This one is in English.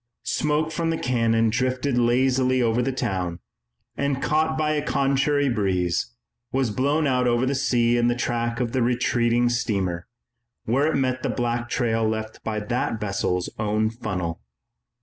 Smoke from the cannon drifted lazily over the town, and, caught by a contrary breeze, was blown out over the sea in the track of the retreating steamer, where it met the black trail left by that vessel's own funnel.